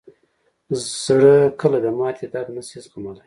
زړه کله د ماتې درد نه شي زغملی.